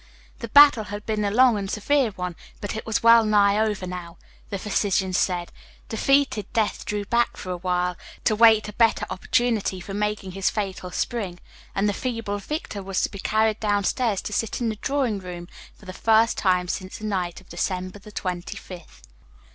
The battle had been a long and severe one, but it was wellnigh over now, the physicians said; defeated Death drew back for a while, to wait a better opportunity for making his fatal spring; and the feeble victor was to be carried down stairs to sit in the drawing room for the first time since the night of December the 25th.